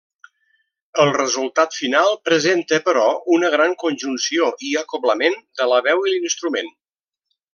El resultat final presenta, però, una gran conjunció i acoblament de la veu i l'instrument.